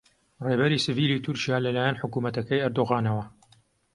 ڕێبەری سڤیلی تورکیا لەلایەن حکوومەتەکەی ئەردۆغانەوە